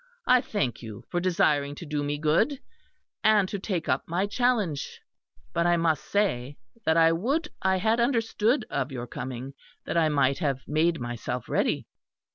"I thank you for desiring to do me good, and to take up my challenge; but I must say that I would I had understood of your coming, that I might have made myself ready."